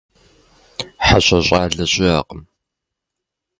ХьэщӀэ щӀалэ щыӀэкъым.